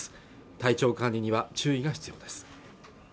体調管理には注意が必要です